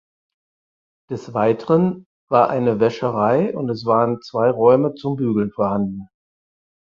Des Weiteren war eine Wäscherei und es waren zwei Räume zum Bügeln vorhanden.